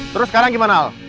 terus sekarang gimana al